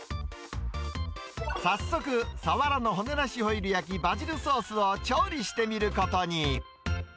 早速、サワラの骨なしホイル焼きバジルソースを調理してみることに。